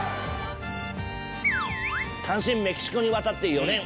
単身メキシコに渡って４年。